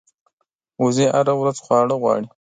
وزې هره ورځ خواړه غواړي